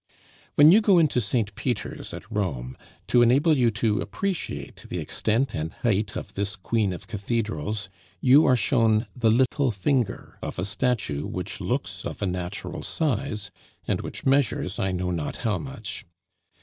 When you go into St. Peter's at Rome, to enable you to appreciate the extent and height of this queen of cathedrals, you are shown the little finger of a statue which looks of a natural size, and which measures I know not how much.